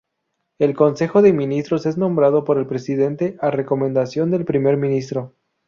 El Concejo de Ministros es nombrado por el Presidente a recomendación del primer ministro.